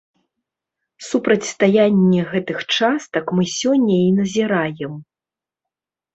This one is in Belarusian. Супрацьстаянне гэтых частак мы сёння і назіраем.